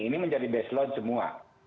ini menjadi base load semua